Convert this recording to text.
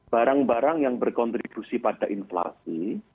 barang barang yang berkontribusi pada inflasi